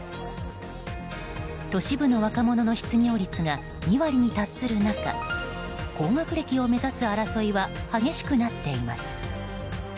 都市部の若者の失業率が２割に達する中高学歴を目指す争いは激しくなっています。